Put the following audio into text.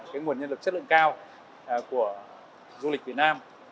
cái nguồn nhân lực chất lượng cao của du lịch việt nam